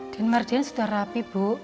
din mardian sudah rapi bu